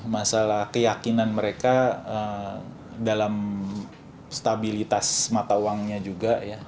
masalah keyakinan mereka dalam stabilitas mata uangnya juga ya